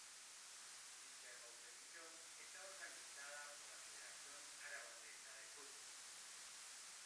Dicha competición está organizada por la Federación Aragonesa de Fútbol.